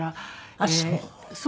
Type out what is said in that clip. あっそう。